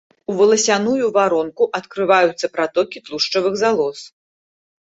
У валасяную варонку адкрываюцца пратокі тлушчавых залоз.